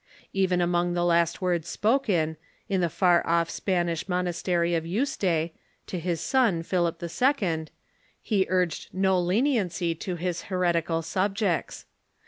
Even among the last words spoken, in the far off Span ish monastery of Yuste, to his son, Philip II., he urged no leniency to his heretical subjects.